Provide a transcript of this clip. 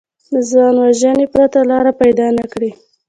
له ځانوژنې پرته لاره پیدا نه کړي